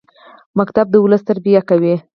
ښوونځی د ولس تربیه کوي